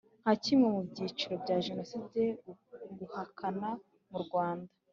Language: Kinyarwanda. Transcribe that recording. Nka kimwe mu byiciro bya jenoside guhakana mu rwanda